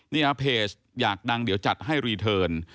เพจอยากดังเดี๋ยวจัดให้รีเทิร์น